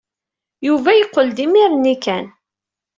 Yuba yeqqel-d imir-nni kan.